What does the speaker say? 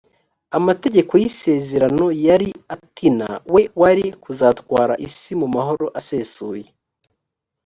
amategeko y isezerano yari atina we wari kuzatwara isi mu mahoro asesuye